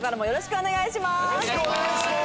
よろしくお願いします！